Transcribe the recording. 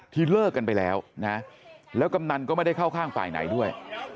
เลิกกันไปแล้วนะแล้วกำนันก็ไม่ได้เข้าข้างฝ่ายไหนด้วย